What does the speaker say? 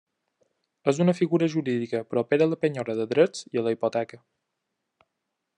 És una figura jurídica propera a la penyora de drets i a la hipoteca.